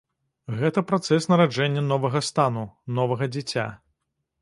Гэта працэс нараджэння новага стану, новага дзіця.